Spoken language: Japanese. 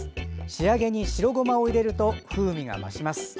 仕上げに白ごまを入れると風味が増します。